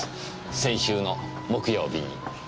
先週の木曜日に。